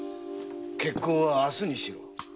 決行は明日にしろ。